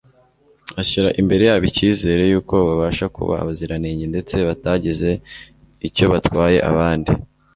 ashyira imbere yabo icyizere yuko babasha kuba abaziranenge ndetse batagize icyo batwaye abandi,